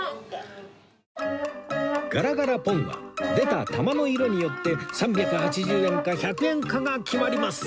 ガラガラポンは出た玉の色によって３８０円か１００円かが決まります